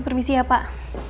permisi ya pak